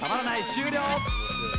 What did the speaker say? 終了！